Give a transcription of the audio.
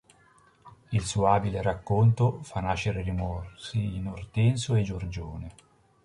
Il suo abile racconto fa nascere rimorsi in Ortensio e Giorgione.